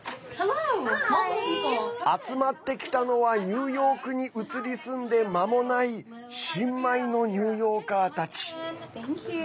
集まってきたのはニューヨークに移り住んでまもない新米のニューヨーカーたち。